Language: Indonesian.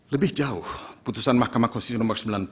lebih jauh putusan mahkamah konstitusi nomor sembilan puluh